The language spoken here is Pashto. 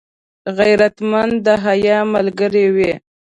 غیرتمند د حیا ملګری وي